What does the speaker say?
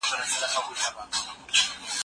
مخکي فکر وروسته کار